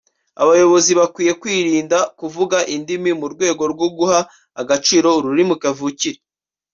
Abayobozi bakwiye kwirinda kuvanga indimi mu rwego rwo guha agaciro ururimi kavukire